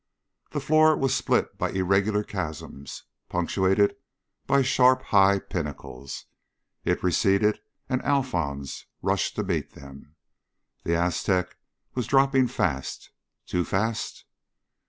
The floor was split by irregular chasms, punctuated by sharp high pinnacles. It receded and Alphons rushed to meet them. The Aztec was dropping fast. Too fast?